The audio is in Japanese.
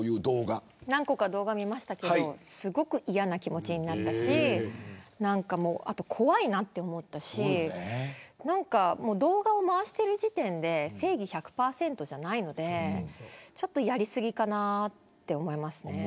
何個か動画見ましたけどすごく嫌な気持ちになったしあと怖いなと思ったし動画をまわしている時点で正義１００％じゃないのでちょっとやり過ぎかなと思いますね。